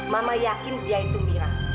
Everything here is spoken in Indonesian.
mama yakin dia itu mira